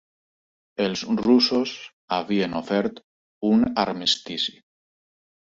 Els russos havien ofert un armistici.